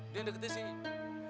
dia deket sini